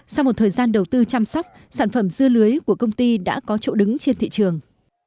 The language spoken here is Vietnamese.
sau một thời gian đầu tư chăm sóc sản phẩm dưa lưới của công ty đã có chỗ đứng trên thị trường